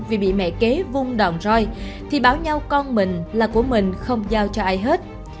vì bị mẹ kế vung đòn roi thì bảo nhau con mình là của mình không giao cho ai hết